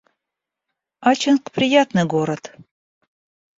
Ачинск — приятный город